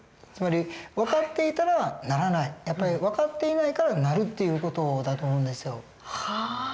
つまり分かっていたらならない分かっていないからなるっていう事だと思うんですよ。